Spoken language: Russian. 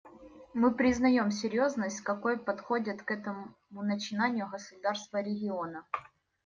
Мы признаем серьезность, с какой подходят к этому начинанию государства региона.